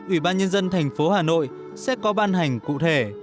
ủy ban nhân dân thành phố hà nội sẽ có ban hành cụ thể